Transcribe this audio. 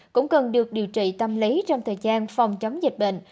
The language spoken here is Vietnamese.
cũng cần được điều trị tâm lý trong thời gian phòng chống dịch bệnh